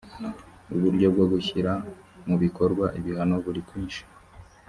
uburyo bwo gushyira mu bikorwa ibihano buri kwinshi